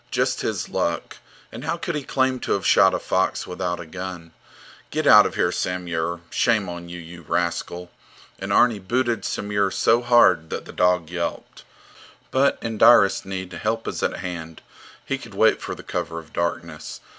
Just his luck! And how could he claim to have shot a fox without a gun? Get out of here, Samur. Shame on you, you rascal! And Arni booted Samur so hard that the dog yelped. But, in direst need, help is at hand. He could wait for the cover of darkness.